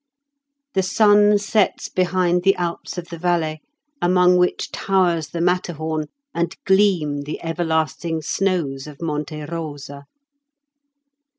The sun sets behind the Alps of the Valais among which towers the Matterhorn and gleam the everlasting snows of Monte Rosa.